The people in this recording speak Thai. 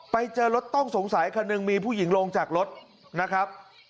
ไปเจอรถต้องสงสัยคันหนึ่งมีผู้หญิงลงจากรถนะครับ